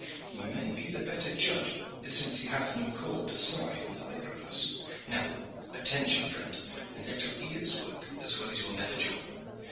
"He may be the better judge, since he hath no call to side with either of us. Now, attention, friend, and let your ears work as well as your nether jaw.